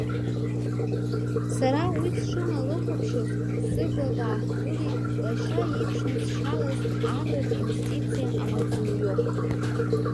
Сара уи сшыналыхәаԥшыз, сыбла даахгылеит лашьа иеиԥшнысшьалаз арратә иустициа амаҵзуҩы.